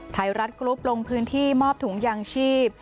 ไทยรัฐกรุ๊ปลงพื้นที่มอบถุงยางชีพ